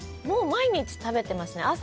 もう毎日食べてますね。